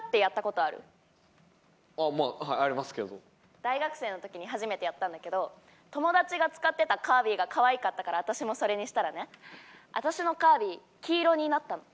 大学生の時に初めてやったんだけど友達が使ってたカービィが可愛かったから私もそれにしたらね私のカービィ黄色になったの。